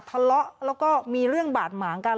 ทะเลาะแล้วก็มีเรื่องบาดหมางกัน